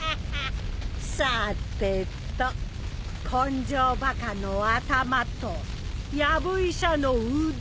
さぁてと根性バカの頭とやぶ医者の腕